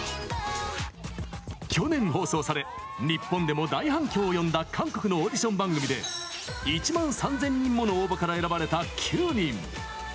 去年、放送され日本でも大反響を呼んだ韓国のオーディション番組で１万３０００人もの応募から選ばれた９人。